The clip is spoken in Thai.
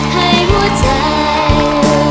ให้หัวใจ